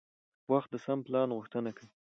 وخت د سم پلان غوښتنه کوي